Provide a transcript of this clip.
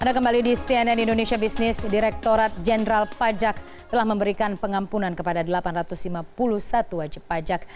anda kembali di cnn indonesia business direktorat jenderal pajak telah memberikan pengampunan kepada delapan ratus lima puluh satu wajib pajak